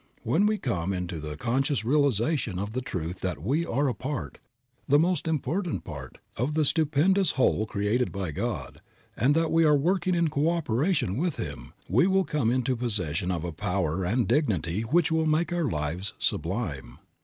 When we come into conscious realization of the truth that we are a part, the most important part, of the stupendous whole created by God, and that we are working in coöperation with Him, we will come into possession of a power and dignity which will make our lives sublime.